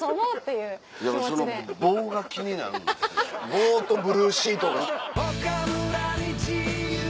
棒とブルーシートが。